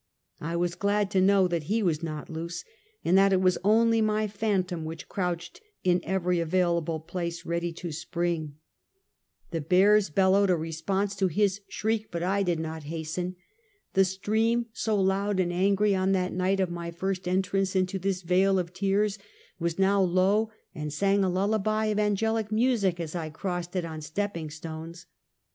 I was glad to know that he was not loose, and that it was only my phantom which crouched in every available place, ready to spring. The bears bellowed "Waters Geow Deep. 85 a response to his shriek, but I did not hasten. The stream, so loud and angry on that night of ray first en trance into this vale of tears, was now low, and sang a lullaby of angelic music as I crossed it on step ping stones.